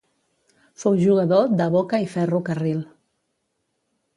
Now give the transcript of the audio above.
Fou jugador de Boca i Ferro Carril.